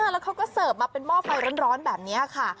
แล้วเขาก็เสิร์ฟมาเป็นหม้อไฟร้อนแบบนี้ค่ะ